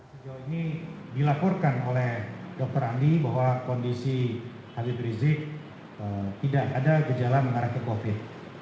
sejauh ini dilaporkan oleh dr andi bahwa kondisi habib rizik tidak ada gejala mengarah ke covid